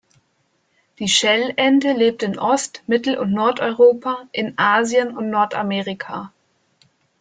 Die Schellente lebt in Ost-, Mittel- und Nordeuropa, in Asien und Nordamerika.